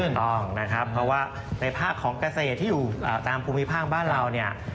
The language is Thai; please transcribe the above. ถูกต้องนะครับเพราะว่าในภาคของเกษตรที่อยู่ตามภูมิภาคบ้านเราเนี่ย